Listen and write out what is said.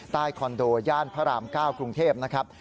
คอนโดย่านพระราม๙กรุงเทพนะครับ